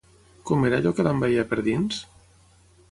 Com era allò que l'envaïa per dins?